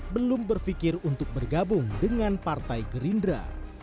belum berpikir untuk bergabung dengan partai gerindra